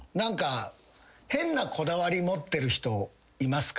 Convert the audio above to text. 変なこだわり持ってる人面白くないですか？